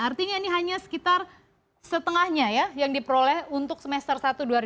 artinya ini hanya sekitar setengahnya ya yang diperoleh untuk semester satu dua ribu dua puluh